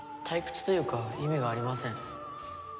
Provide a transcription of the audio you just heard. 退屈というか意味がありません。